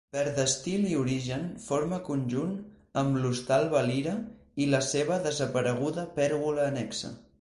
Per d’estil i origen forma conjunt amb l’Hostal Valira i la seva desapareguda pèrgola annexa.